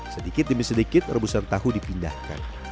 sedikit demi sedikit rebusan tahu dipindahkan